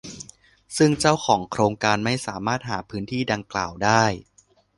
ซึ่งเจ้าของโครงการไม่สามารถหาพื้นที่ดังกล่าวได้